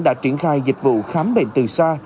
đã triển khai dịch vụ khám bệnh từ xa